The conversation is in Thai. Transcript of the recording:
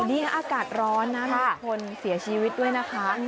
นี่อากาศร้อนนะมีคนเสียชีวิตด้วยนะคะ